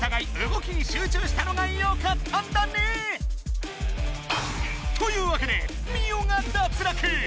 動きに集中したのがよかったんだね！というわけでミオが脱落！